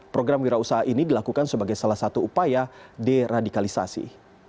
program wirausaha ini dilakukan sebagai salah satu upaya deradikalisasi